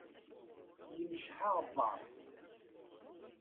Yemceḥ aɣebbar.